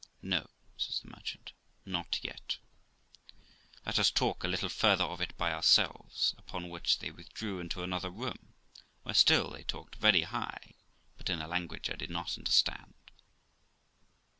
'No', says the merchant, 'not yet; let us talk a little farther of it by ourselves'; upon which they withdrew into another room, where still they talked very high, but in a language I did not understand.